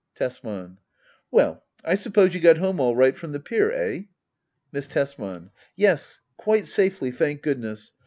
Tesman. Well, I suppose you got home all right from the pier ? Eh ? Miss Tesman. Yes, quite safely, thank goodness.